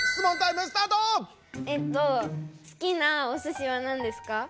えっと好きなおすしはなんですか？